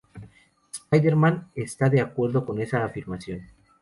Spider-Man está de acuerdo con esa afirmación.